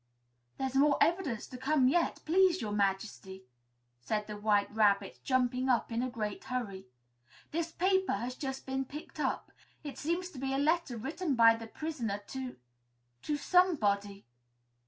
"There's more evidence to come yet, please Your Majesty," said the White Rabbit, jumping up in a great hurry. "This paper has just been picked up. It seems to be a letter written by the prisoner to to somebody."